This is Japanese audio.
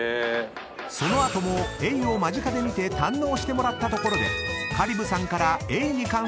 ［その後もエイを間近で見て堪能してもらったところで香里武さんから］